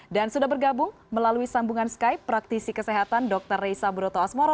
dan sudah bergabung melalui sambungan skype praktisi kesehatan dr reysa broto asmoro